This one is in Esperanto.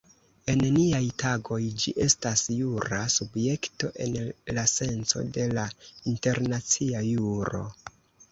En niaj tagoj ĝi estas jura subjekto en la senco de la internacia juro.